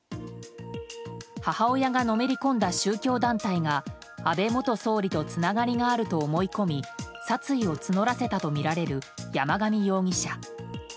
母親がのめり込んだ宗教団体が安倍元総理とつながりがあると思い込み殺意を募らせたとみられる山上容疑者。